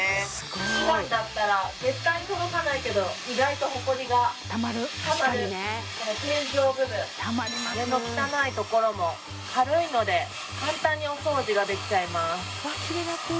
ふだんだったら絶対に届かないけど意外とほこりがたまるこの天井部分壁の汚いところも軽いので簡単にお掃除ができちゃいます